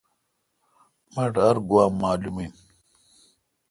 مٹھ ار گوا معلوم این۔